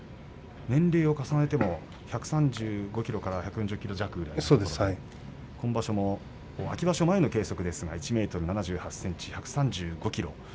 年齢を重ねても１３５ｋｇから１４０ｋｇ弱今場所も、秋場所前の計測ですが１ｍ７８ｃｍ１３５ｋｇ。